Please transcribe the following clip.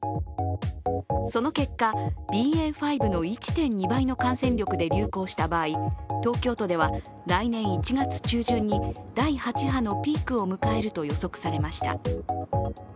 その結果、ＢＡ．５の１．２倍の感染力で流行した場合、東京都では来年１月中旬に第８波のピークを迎えると予測されました。